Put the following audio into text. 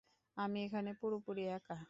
আমি এখানে পুরোপুরি একা।